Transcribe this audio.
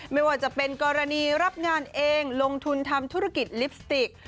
ไม่ว่าจะเป็นกรณีรับงานเองลงทุนทำธุรกิจลิปสติก